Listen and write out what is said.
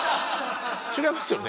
違いますよね。